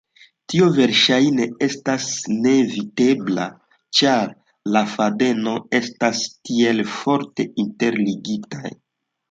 Tio verŝajne estas neevitebla, ĉar la fadenoj estas tiel forte interligitaj.